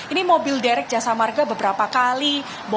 ini mobil derek jasa marga beberapa kali